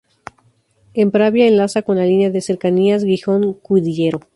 En Pravia, enlaza con la línea de cercanías Gijón-Cudillero.